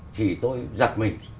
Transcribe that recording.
thì tôi giật mình